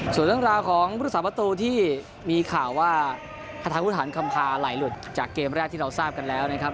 ส่วนเรื่องราวของพุทธศาสประตูที่มีข่าวว่าคาทาพุทธฐานคำพาไหลหลุดจากเกมแรกที่เราทราบกันแล้วนะครับ